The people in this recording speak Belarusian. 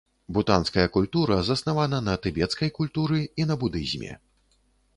Бутанская культура заснавана на тыбецкай культуры і на будызме.